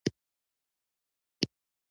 د ملک صاحب له تیس مار انسان سره نه لگېږي.